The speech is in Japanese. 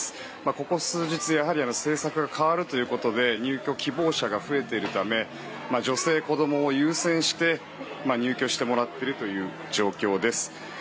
ここ数日政策が変わるということで入居希望者が増えているため女性、子供を優先して入居してもらっている状況です。